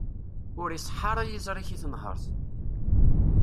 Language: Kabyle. Ur iṣeḥḥa ara yiẓri-k i tenherk.